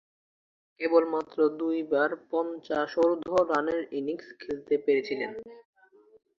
কেবলমাত্র দুইবার পঞ্চাশোর্ধ্ব রানের ইনিংস খেলতে পেরেছিলেন।